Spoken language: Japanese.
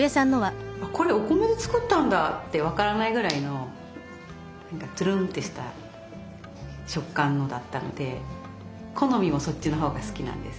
これお米で作ったんだって分からないぐらいのトゥルンってした食感のだったので好みもそっちのほうが好きなんです。